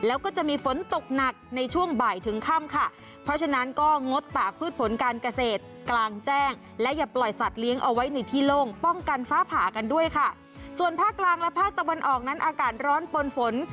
เอาไว้หนึ่งที่โล่งป้องกันฟ้าผากันด้วยค่ะส่วนภาคลางและภาคตะวันออกนั้นอากาศร้อนปนฝน